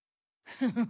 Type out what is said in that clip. フフフ。